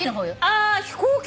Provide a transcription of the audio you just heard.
あ飛行機。